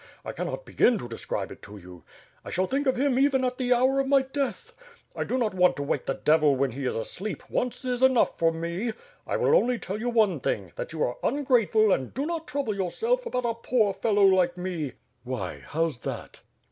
I cannot begin to de scribe it to you. I shall think of him even at the hour of my death. I do not want to wake the devil when he is asleep; once is enough for me. I will only tell you one thing, that you are ungrateful and do not trouble yourself about a poor fellow like me " "Why, how's that?"